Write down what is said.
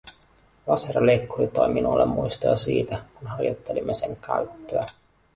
Laserleikkuri toi minulle muistoja siitä, kun harjoittelimme sen käyttöä.